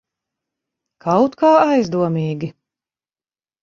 Kaut kā aizdomīgi.